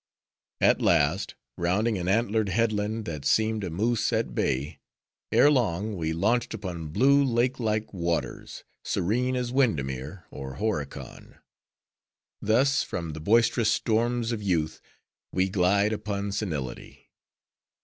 At last, rounding an antlered headland, that seemed a moose at bay—ere long, we launched upon blue lake like waters, serene as Windermere, or Horicon. Thus, from the boisterous storms of youth, we glide upon senility.